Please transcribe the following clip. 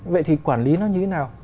vậy thì quản lý nó như thế nào